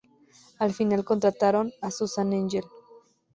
Al final contrataron a Susan Engel.